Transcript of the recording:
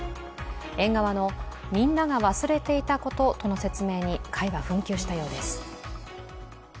園側のみんなが忘れていたこととの説明に、会は紛糾したようです。